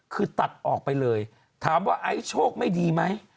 คือตัดออกไปเลยถามว่าไอซ์โชคไม่ดีไหม